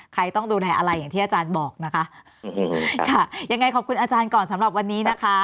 ใครต้องดูแลอะไรอย่างที่อาจารย์บอกนะคะค่ะยังไงขอบคุณอาจารย์ก่อนสำหรับวันนี้นะคะ